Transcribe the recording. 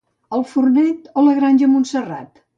El Fornet o la Granja Montserrat?